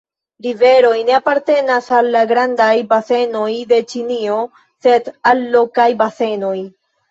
Riveroj ne apartenas al la grandaj basenoj de Ĉinio, sed al lokaj basenoj.